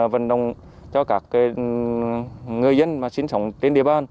vận động cho các người dân sinh sống trên địa bàn